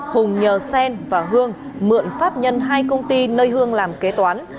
hùng nhờ sen và hương mượn pháp nhân hai công ty nơi hương làm kế toán